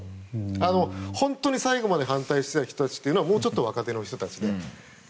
本当に最後まで反対している人たちはもうちょっと若手の人たちで。